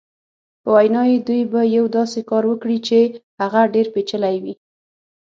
په وینا یې دوی به یو داسې کار وکړي چې هغه ډېر پېچلی وي.